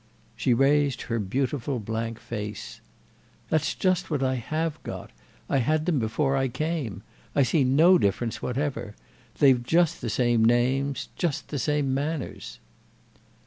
She raised her beautiful blank face. "That's just what I have got; I had them before I came. I see no difference whatever. They've just the same names—just the same manners."